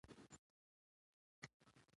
مس د افغانانو ژوند اغېزمن کوي.